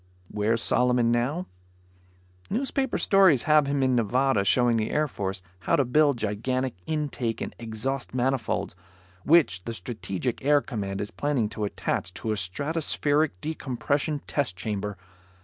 Where's Solomon now? Newspaper stories have him in Nevada showing the Air Force how to build gigantic intake and exhaust manifolds, which the Strategic Air Command is planning to attach to a stratospheric decompression test chamber.